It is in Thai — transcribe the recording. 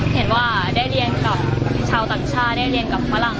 เห็นว่าได้เรียนกับชาวต่างชาติได้เรียนกับฝรั่ง